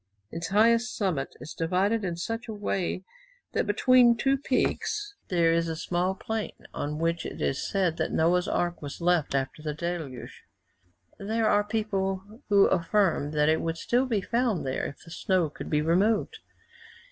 Its highest summit is divided in such a way that between two peaks there is a small plain, on which it is said that Noah's ark was left after the deluge. There are people who affirm that it would still be found there if the snow could be removed.